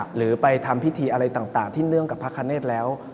หรือไปทำพิธีอะไรต่างที่เนื่องกับพระคเนธแล้ว